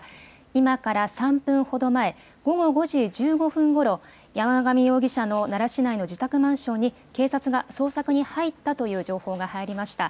今から３分ほど前、午後５時１５分ごろ、山上容疑者の奈良市内の自宅マンションに、警察が捜索に入ったという情報が入りました。